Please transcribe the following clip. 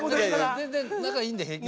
全然仲いいんで平気。